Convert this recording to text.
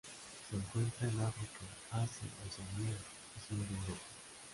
Se encuentra en África, Asia, Oceanía y sur de Europa.